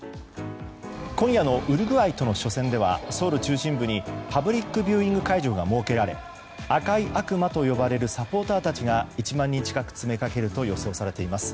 今夜のウルグアイとの初戦ではソウル中心部にパブリックビューイング会場が設けられ赤い悪魔と呼ばれるサポーターたちが１万人近く詰めかけると予想されています。